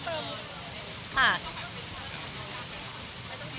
ใช่เลยว่าจะขนมของขวานด้วยเนี่ย